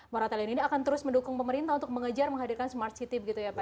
moratel ini akan terus mendukung pemerintah untuk mengejar menghadirkan smart city begitu ya pak